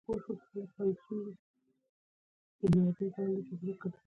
د هغه کور یوازې څو وران دېوالونه درلودل